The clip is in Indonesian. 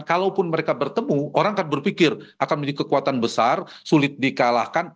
kalau pun mereka bertemu orang akan berpikir akan memiliki kekuatan besar sulit di kalahkan